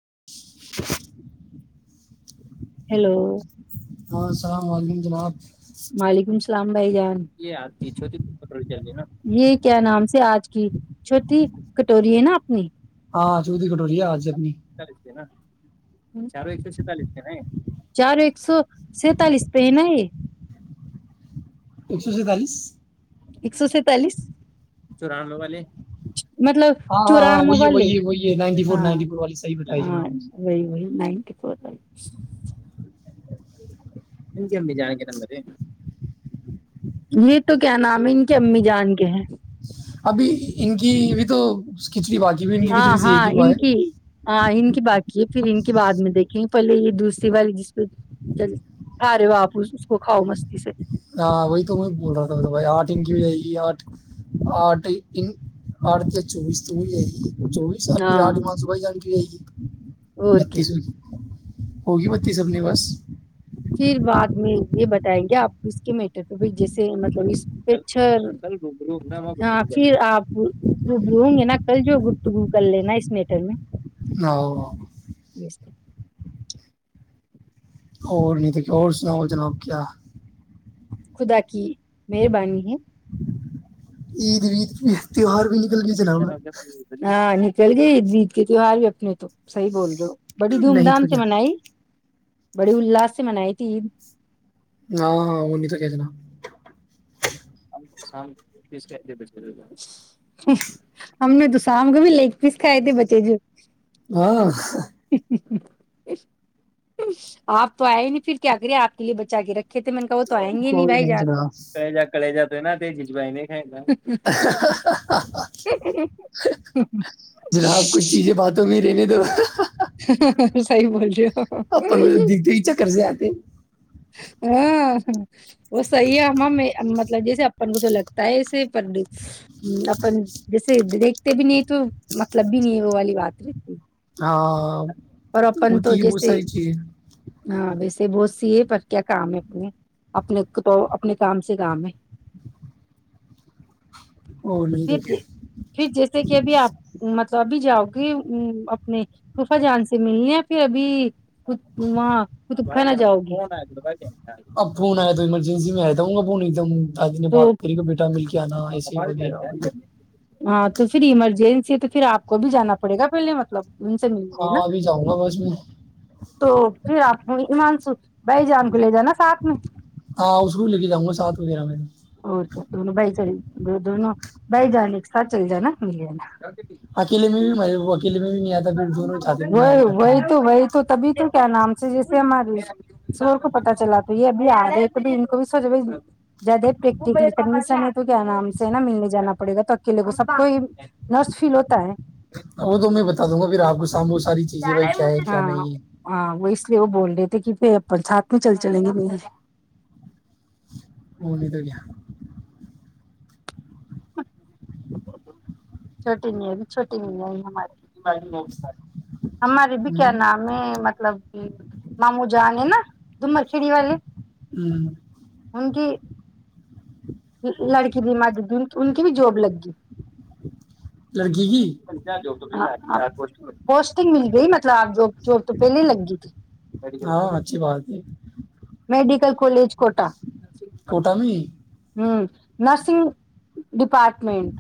[inaudible] hello ہاں السلام علیکم جناب وعلیکم السلام بھ جان یہوٹیا یہ کیا نام سے آج کی چھوٹی کٹوری ہے نا اپنی ہاں چوودی کٹوری ہے آج اپنی ایک سو سینتالس پہ چار ایک سو سینتالیس پہ ہے نا یہ ایک سو سینتالیس ایک سو سینتالیس چورانوے والے مطلب ہاں ہاں چوران ہاں وہی موبائلے وہی وہی نائنٹی فور ہاں نائنٹی فور والی صحیح بتائی ہاں جناب نے وہی وہی تو ان کے امی جان کے ن یہ تو کیا نام ہے ان کے امی جان کے ہیں ابھی ان کی ا بھی تو کھچڑی باقی بھی ان کی ہاں کھچڑی سے ہاں ایک ہی ہوا ان ہے کی ہاں ان کی باقی ہے پھر ان کے بع میں دیکھیں گے پہلے یہ دوسری باری جس پ کھا رہے وا آپس اس کو کھاؤ مستی سے ہاں وہی تو میں بول رہا تھا بھائی آٹھ ان کی ہو جائے گی آٹھ آٹھ آٹھ یا چوبیس تو وہ جائے گی چوبیس سال پھر ہاں آٹھماں صبح ہی جان کی رہے گی اور کیا بتیس ہوگی ہوگی بتی سب نے بس پھر بعد میں یہ بتائیں گے آپ اس کے میٹر پہ جیسے مطلب اس پ ہاں پھر آپ ڈبرووں گے نا کل جو گپتگ کر لینا اس میٹر میں ن یسر اور نہیں تھا کہ اور سناؤ جناب کیا خدا کی مہربانی ہے ا تیوار بھی نکل گ جنا چل گید عید کے تیوار بھی اپنے تو صح بول رہے ہو بڑی دھوم نہیں دھام تو سے کیا منائی بڑی اللاس سے منائی تھی عید ہاں ہاں وہ نہیں تو کہتےنا ہم نے تو شام کو بھی لگ پیس کھائے تھے بچے جو ہاں آپ تو آئے نہیں پھر کیا کرے آپ کے لیے بچا کے رکھے تھے میں نے کہ ب تو آئیں گے نہیں کوئی بھائی جان تو جناب کے جا کڑے جا تو نا پجیج ب میں ہےائے گا جناب کچھ چیزیں باتوں میں دنے تو سی بولج اپن دگ دگ چ قرضے آتے ہاں ہ وہ صحیح ہے ہم مطلب جیسے اپن کو تو لگتا ہے ایسے پر اپن جیسے دیکھتے بھی نہیں تو مطلب بھی نہیں ہے وہ والی بات رہتی ہاں اور اپن تو ہوتی ہے بہت جیسے ساری چیزیں ہاں ویسے بہت سی ہے پر کیا کام ہے اپنے اپنے تو اپنے کام سے کام ہے اور نہیں پھر تو کیا پھر جیسے کہ ابھی آپ مطلب سبھی جاؤ گے ا اپنے خفا جان سے ملنے پھر ابھی وہاں قطب خان نہ جاؤ گے اب فون آیا تو ایمرجنسی میں آیاتا ہوں گا ب نہیں د دادی نے بات تو کری کہ بیٹا مل کے آنا ایسے ہی وغیرہ و ہاں تو پھر ایمرجنسی ہے تو پھر آ کو بھی جانا پڑے گا پہلے مطلب ان سے ملنے ہاں نا ابھی جاؤں گا بس میں تو پھر آپ کو ایمان س بھائی جان کو لے جانا ساتھ میں ہاں اس کو بھی لے کے جؤں گا سات وغیرہ میں اور کیا دونوں بھائی چل دونوں بھائی جان ایک ساتھ چل جانا مل جانا اکیلے میں بھی م اکیل میں بھی نہیں آتا ھر میں چاہی ہوں تو ج وہی جاہتی وہی تو وہی تو تبھی تو کیا نام سے جیسے ہمار شور کو پتا چلا تو یہ ابھی آ رہے ہے ک ان کو بھی سوچ بھ زیادہ ہییکٹل تو کیا نام سے ہے نا ملنے جانا پڑے گا تو اکیلے کو سب کو ہی نرس فیل ہوتا ہے ا وہ تو میں بتا دوں گا رپ گ [unintelligible] سامبو ساری ہے چیزیں بھائی کیا ہے ہاں کیا نہیں ہے ہاں وہ اس وہ بول رہے تھے کہ پھر اپنے ساتھ میں چل چلیں گے نہیں وہ نہیں تو گ اچ [unintelligible] چھوٹیین بھی چھوٹی ن م ہمارے بھی کیا ہوں نام ہے مطلب کہ مامو جان ہے نا د چڑی والے ہوں لڑکی دی مد د تو ان کی بھی جاب لگ گئی کی کیا جؤ تو پ پوسٹنگ مل گئی مطلب آپ جو چور تو پہلے ہی لگ تھی ہاں اچھی بات ہے میڈیکل کالج کوٹا کوٹا میں ہوں نرسنگ ڈیپارٹمنٹ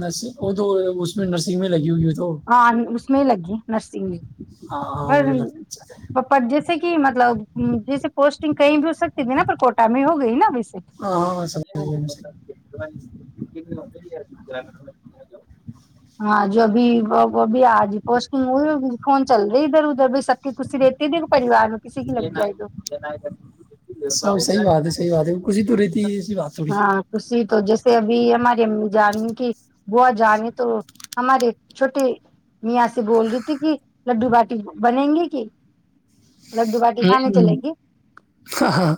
نرس وہ تو اس میں نرسنگ میں لگی ہوئی ہو تھی ہاں میں لگی نرسگ میں ہاں ہاں پر وہ تو لگ جاتا ہے پپا جیس ج کہ مطلب جیسے پوسٹنگ کہیں بھی ہو سکتی تھی نا پر کوٹا میں ہو گئی نا م ہاں ہاں سمجھ گیا میں [unintelligible] ہاں جوبھی وہ وہ بھی آجی پوسٹنگ فون چل رہی ادھر ادھر ب سکی کسی رہتے د پریوار میں کسی کی لگ ہے تو س صحی بات ہے صح بات ہے کشی تو رہتی ہے ای سی بات تھوڑی ہاں خوشی تو جیسے ابھی ہماری امی جانیں کہ با جانیں تو ہمارے چھوٹیے میاں سے بول رہی تھی کہ لڈو باٹی بنیں گی کہ لڈو باٹی کھانے چلے گی ہاں ہاں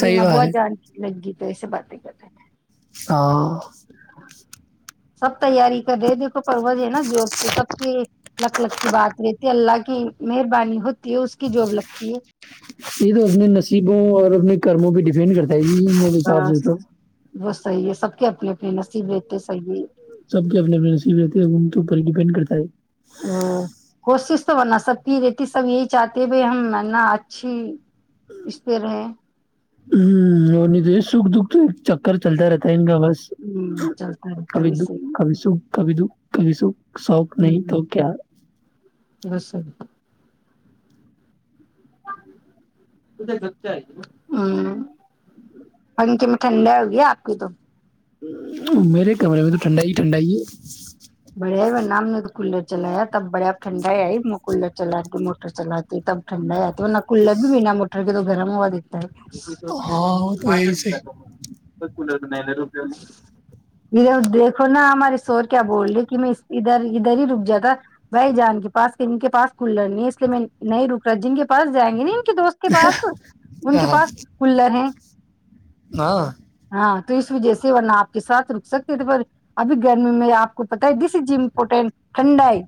صحیح ریما بات بہت ہے جان لگی تو ایسے بات نہیں کرتے ہاں سب تیاری کر رہے دیکھو پروج ہے نا جوب تو سب کی لک لک کی بات رہتی ہے اللہ کی مہربانی ہوتی ہے اس کی جوب لگتی ہے یہ تو اپنے نصیبوں اور اپنے کرموں پہ ڈیفینڈ کرتا م حساب سے بس تو وہ صحیح ہے سب کے اپنے اپنے نصیب رہتے صحیح سب کے اپنے اپنے نصیب رہتے ہیں ان کے اوپر ہی ڈیپینڈ کرتا ہے ا کوشش تو ورنہ سب کی رہتی سب یہی چاہتے بھ ہم ورنہ اچھی اس پہ رہے ہ اور نہیں تو سکھ دکھ تو ایک چکر چلتا رہتا ہے ان کا بس ہوں چلتا رہتا کبھی ہے دکھ صحیح کبھی سکھ کبھی دکھ کبھی سکھ سوق نہیں تو کیا بسر ہ پنک میں ٹھنڈا ہوگی آپ کی تو میرے کمرے میں تو ٹھنڈا ہی ٹھنڈا ہی ہے بڑے ورنہ ہم نے تو کولر چلایا تب بڑے اب ٹھنڈا ہی آئی کولر چلا کے موٹر چلات تب ٹھنڈا ہی آتی ہے ورنہ کولر بھی بنا موٹر کے تو گرم ہوا دیتا ہے اس ہاں وہ تو ہے ہی کیا صحیح دیکھو نا ہمارے شور کیا بول رہی کہ میں ادھر ادھر ہی رک جاتا بائی جان کے پاس ان کے پاس کلڑ نہیں ہے اس لیے میں نہیں رک رہا جن کے پاس جائیں گے نہیں دوست کے پاس ان کے ہاں پاس کلر ہیں ہاں ہاں تو اس وجہ سے ورنہ آپ کے ساتھ رک سکتے تھے پر ابھی گرمی میں آپ کو پت ہے دس از امپورٹنٹ ٹھنڈائی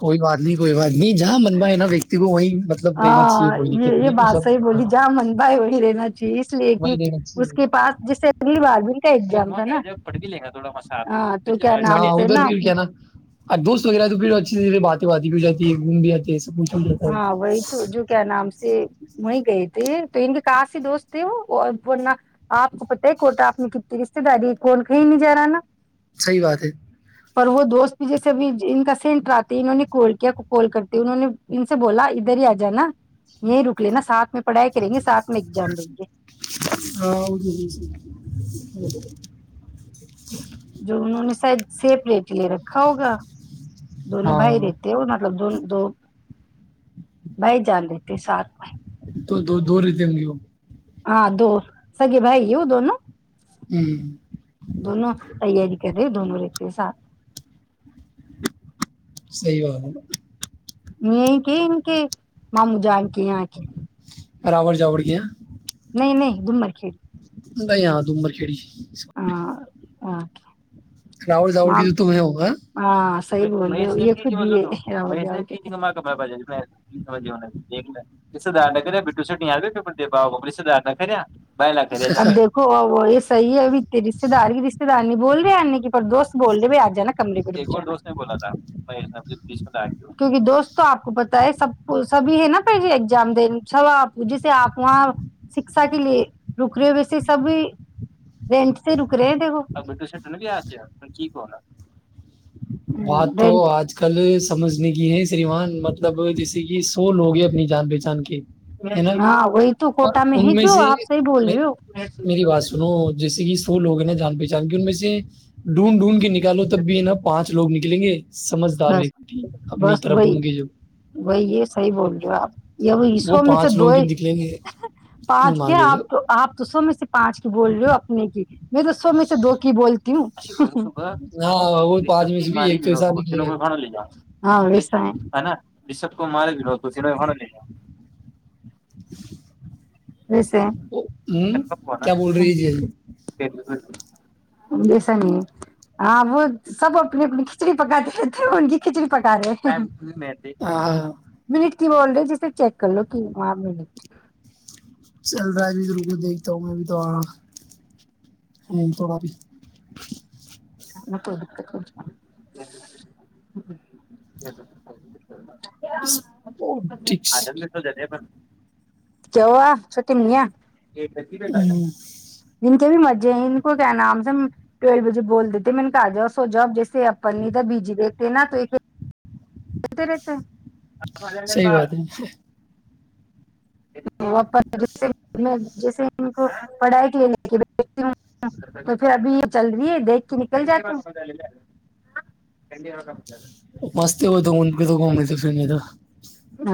کوئی بات نہیں کوئی بات نہیں جہاں من پائے نا ویکتی کو وہیں مطلب رہنا چاہیے ہاں کوئی دقت یہ یہ نہیں ہے تو بادشا ہی سب ہاں بولی جہ من بائی ہو پے میں جی اس لیے کہ وہی رہنا اس چاہیے کے پاس جیسے اگلی بار بھی ان کا ایگزام ا ج پڑ بھی لے گا تھوڑا مسالہ ہاں ادھر پھر کیا نا دوست وغیرہ تو پھر اچھی سےے بات واد بھی جاتی گم بھی آتی ہاں وہی تو جو کیا نام سے وہیں گئے تھے تو ان کے کاسیی دوست تھے وہ ورنہ آپ کو پتا ہے کوٹا آپ نے کتنی رشتے داری ہے کون کہیں نہیں جا رہا نا صحی بات ہے پر وہ دوست بھی جیسے بھی ان کا سینٹ آتے انہوں نے ک کیا کال کرتے انہوں نے ان سے بولا ادھر ہی آ جانا یہیں رک لینا ساتھ میں پڑھائی کریں گے ساتھ میں ایگزام دیں ہاں وہ ج گے [inaudible] جو انہوں نے شاید سے پلیٹ لے رکھا ہوگا دونوں باہر ہاں دیتے وہ مطلب دون دو بھائی جان لیتے سات میںائی تو دو دوور ریتے ہم گ ہاں دو سگی بھائی ا دو ن ہوں دونوں تیاری کر رے دونوں ایکتے سات صحیح بات یہ کہ ان کے ماموں جان کے یہاں کے راوڑ جاوڑ کیا نہیں نہیں دمبر کھیڑ گائی ہاں ڈومر کڑی ہاں ااں راڑ جاوڑ کی جو تمہ ہوگا س ہو کما کما ب جائے میں دیک ل اس سے ڈر ڈ کرٹو سےاں پیپر دےا اس سے ڈر نہ کرا دیکو صحی ہے بھی رشتے دار رشتے دار نی بول رہے ن نہیں کہ پر دوست بول رہے آج نا اور دوست نے بلا تھا کیکہ دوست تو آپ کو پت ہے سب کو سبھی ہے نا پہ ایگزام د سب آپ جیسے آپ وہاں شکشا کے لیے رک رہے ہو ویسے سبھی رینٹ سے رک رہے ہیں دیکھ ا بات تو آج کل سمجھنے کی ہے سریمان مطلب جیسے کہ سو لوگ ہیں اپنی جان پہچان کے ہے نا ہاں وہی تو پر کوٹہ میں ان ہی جو سے آپ صحی بول می- رہے ہو میری بات سنو جیسے کہ لوگ ہیں نا جان پہچان کے ان میں سے ڈھونڈ ڈھونڈ کے نکے گالوں توبینا پانچ لوگ نکلیں گے سمجھدار بس ویکتی اپنی بس طرف وہی ہوں گے جو وہی یہ صحیح بول رہ ہو آپ یہ وہ اسسو میں سے پانچ دو لوگ ہی نکلیں گے نہیں پانچ کیا مانگے لوگ آپ آپو میں سے پانچ بول رہ ہو اپنے کی میں تو سو میں سے دو کی بولتی ہوں ہاں وہ پانچ میںچ بھی ایک تو حساب توں کوئی کانا ل جاؤ ہے نا رشب کو مار گو تو ج میں گ ل ویسے ہوں کیا بول رہی ہے جی جیسا نہیں ہاں وہ سب اپنی اپنی کھچڑی پکاتے رہتے ان کی کھچڑی پکا رہے ہیں میں ہاں م بول رہے جسے چیک کر لو کہاں منٹ چل رہا ہےب گرو کو دیکھتا ہوں میں بھی تو آا ہ تو بابی نک د کو اسپورٹکس کیو آ چھوٹی منیا ایکیک ہوں کے بھی مجے ہیں ان کو کیا نام ہم سےب ٹویل بجے بول دیتے میں نے کہ آ جاؤ سو جاؤ جیسے اپن نہیں تھا بیجی دیکھتے نا تو اد رتاا صحی بات ہے سے جے کو پڑھائی لینے تو پھر ابھی چل دیکھ کے نکل جاتی ہوں مست ہی ہوئے تو کے تو گھوم گ فم دو ہ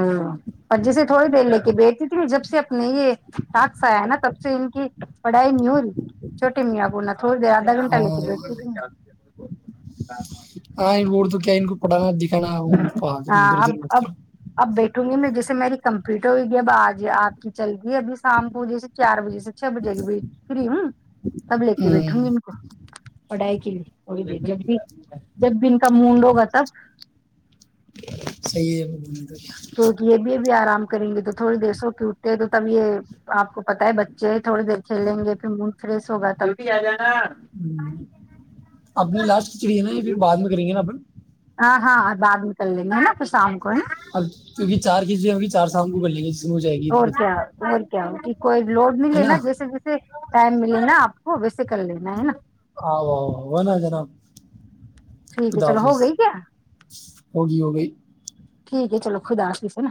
اور جیسے تھوڑی دیر لے کے بیٹھتی تھی جب سے اپنے یہ ہاتھ سے آیا نا تب سے ان کی پڑھائی نہیں ہو رہی چھوٹی میاں کو نہ تھور د ادھ گھنٹا ل ہاں کے آ انن کو پڑانا دکھ کہا ادھر ادھر بات کرو ٹوں گی میں جیسے میری کمپلیٹ ہوئے گی اب آج آ کی چلتی ہے ابھی شام کو جیسے چار بجے سے چھ بجے کے بی فری ہوں تب لے کے ہوں بیٹھوں گی ان کو پڑائی کی وہئی ب جتی جب بھی ان کا مونڈ ہوگا تب صحیح ہے تو کیا کیکہ یہ بھی ابھی آرام سے کریں گے تو تھوڑی دیر سو ٹوٹتے ہیں تو تب یہ آپ کو پتا ہے بچے تھوڑ دھے لیں گے پھر فریش ہوگا تب ہمم اپنی لاسٹ کھچڑی ہے نا یہ پھر بعد میں کریں گے نا اپن ہاں ہاں بعد میں کر لینا نا پھر شام کو اب کیونکہ چار کییزیں ہوگی چار شام کو کرلیں گیں جی ہو جائے گی اور تو کیا اور کیا کوئی لوڈ نہیں نا لینا جیسے جیسے ٹائم ملے نا آپ کو ویسے کر لینا ہے نا [inaudible] ٹھیک ہے خدا چلو حافظ ہو گئی کیا ہوگی ہو گئی ٹھیک ہے چلو خداحافظ ہے نا